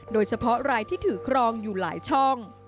โดยเฉพาะรายที่ถือครองอยู่หลายช่อง